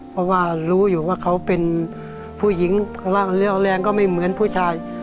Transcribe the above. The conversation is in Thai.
เพราะว่ารู้อยู่ว่าเขาเป็นผู้หญิงแรงก็ไม่เหมือนผู้ชาย